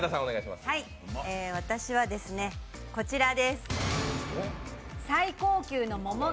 私はこちらです。